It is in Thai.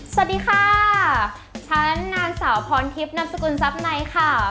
สวัสดีค่ะชั้นนานเธอสาวนัมสกุลซับไนท์ค่ะ